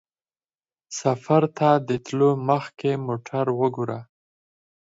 سفر ته د تلو مخکې موټر وګوره.